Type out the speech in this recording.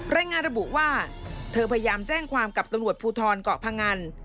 รายงานระบุว่าเธอพยายามแจ้งความกับตำรวจภูทรเกาะพงัน